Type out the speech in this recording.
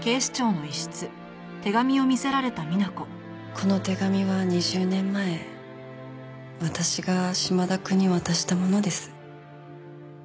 この手紙は２０年前私が島田くんに渡したものです。